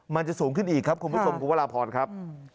มันจะสูงขึ้นอีกครับคุณผู้ชมคุณวราพรครับ